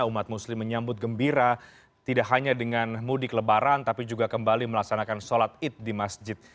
umat muslim menyambut gembira tidak hanya dengan mudik lebaran tapi juga kembali melaksanakan sholat id di masjid